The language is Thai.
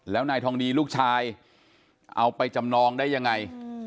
แล้วนายทองดีลูกชายเอาไปจำนองได้ยังไง